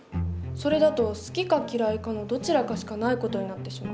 それだと好きか嫌いかのどちらかしかない事になってしまう。